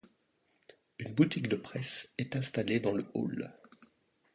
Une boutique de presse est installée dans le hall.